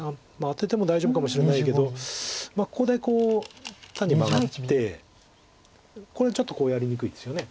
アテても大丈夫かもしれないけどここでこう単にマガってこれちょっとこうやりにくいですよね。